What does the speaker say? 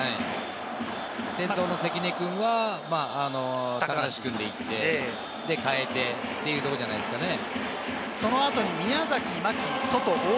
先頭の関根くんは高梨くんで行って、で、代えてというところじゃないですかね。